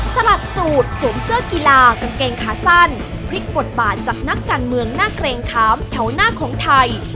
สลัดสูตรสวมเสื้อกีฬากางเกงขาสั้นพลิกบทบาทจากนักการเมืองหน้าเกรงขามแถวหน้าของไทย